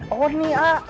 oh ini pak